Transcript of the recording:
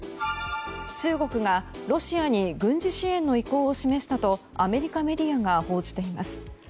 中国がロシアに軍事支援の意向を示したとアメリカメディアが報じています。